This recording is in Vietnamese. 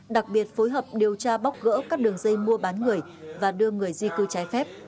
đặc biệt phối hợp điều tra bóc gỡ các đường dây mua bán người và đưa người di cư trái phép